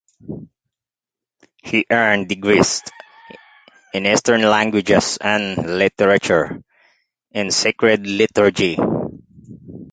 He earned degrees in Eastern languages and literature and in sacred liturgy.